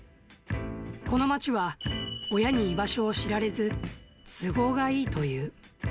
この街は、親に居場所を知られず、都合がいいという。